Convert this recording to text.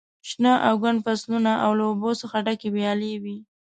شنه او ګڼ فصلونه او له اوبو څخه ډکې ویالې وې.